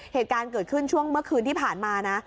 เหตุการณ์เกิดขึ้นช่วงเมื่อคืนที่ผ่านมานะ